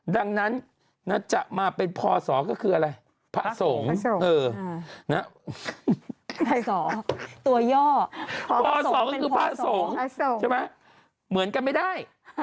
ดังนั้นจะมาเป็นพอศอก็คืออะไรพระส่งพระส่งตัวย่อพอศอกก็คือพระส่งเหมือนกันไม่ได้